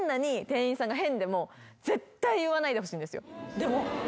でも。